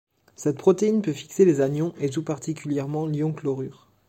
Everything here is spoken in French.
Cette protéine peut fixer les anions et tout particulièrement l'ion chlorure.